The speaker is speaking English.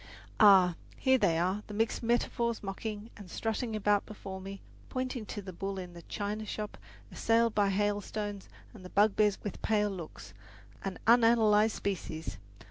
Ah, here they are the mixed metaphors mocking and strutting about before me, pointing to the bull in the china shop assailed by hailstones and the bugbears with pale looks, an unanalyzed species!